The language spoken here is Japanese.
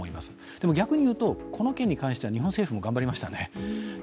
でも、逆に言うと、この件は日本政府も頑張りましたね。